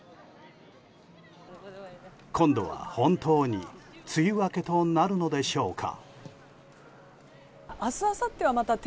今度は本当に梅雨明けとなるのでしょうか。